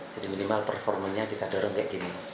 jadi minimal performanya kita dorong kayak gini